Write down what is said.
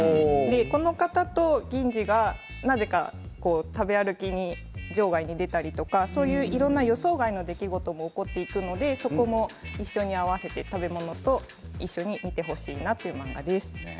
この方と銀次がなぜか食べ歩きに城外に出たりとか予想外の出来事も起こっていくのでそこも食べ物と一緒に見てほしいという漫画です。